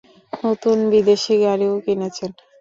নতুন বিদেশি গাড়িও কিনেছেন।